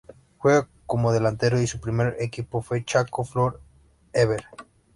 Juega como delantero y su primer equipo fue Chaco For Ever.